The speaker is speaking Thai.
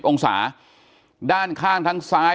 องศาด้านข้างทั้งซ้าย